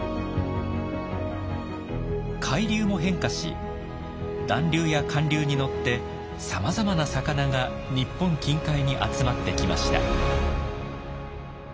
海流も変化し暖流や寒流に乗ってさまざまな魚が日本近海に集まってきました。